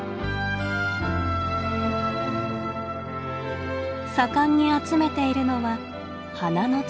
盛んに集めているのは花のつぼみ。